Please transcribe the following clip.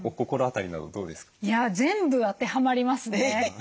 いや全部当てはまりますね。